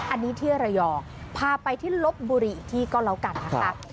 อันนี้ที่ระยองพาไปที่ลบบุรีอีกที่ก็แล้วกันนะคะ